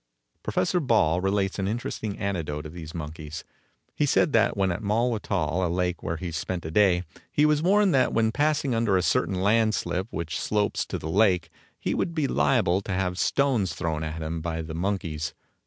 Professor Ball relates an interesting anecdote of these monkeys. He said that when at Malwa Tal, a lake where he spent a day, he was warned that when passing under a certain landslip which slopes to the lake, he would be liable to have stones thrown at him by the monkeys.